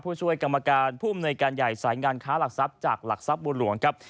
ผู้ช่วยกรรมการผู้อำนวยการใหญ่สายงานค้าหลักทรัพย์จากหลักทรัพย์บัวหลวงครับ